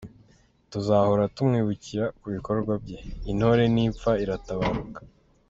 Tuzahora tumwibukira ku bikorwa bye, Intore ntipfa, iratabaruka.